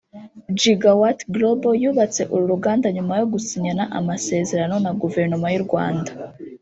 “Gigawatt Global” yubatse uru ruganda nyuma yo gusinyana amasezerano na Guverinoma y’u Rwanda